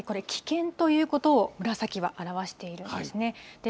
はい、これ、危険ということを紫は表しているんですね。